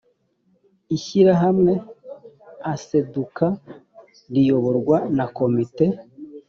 ishyirahamwe aseduka riyoborwa na komite